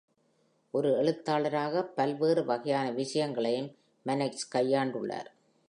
ஒரு எழுத்தாளராக பல்வேறு வகையான விஷயங்களையும் Mannix கையாண்டுள்ளார்.